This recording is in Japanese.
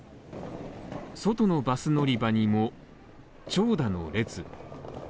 外のバス乗り場にも長蛇の列。